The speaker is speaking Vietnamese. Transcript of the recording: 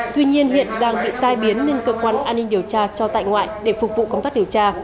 tuy nhiên hiện đang bị tai biến nên cơ quan an ninh điều tra cho tại ngoại để phục vụ công tác điều tra